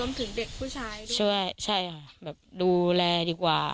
ถึงเด็กผู้ชายช่วยใช่ค่ะแบบดูแลดีกว่า